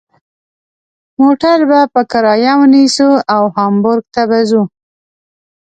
موټر به په کرایه ونیسو او هامبورګ ته به ځو.